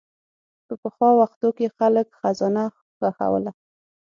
په پخوا وختونو کې خلک خزانه ښخوله.